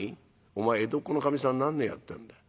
「お前江戸っ子のかみさん何年やってんだ。